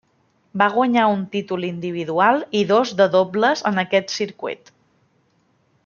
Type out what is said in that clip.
Va guanyar un títol individual i dos de dobles en aquest circuit.